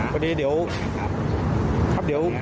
พอดีเดี๋ยวครับเดี๋ยว